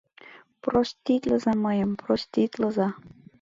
Проститлыза мыйым, проститлыза!..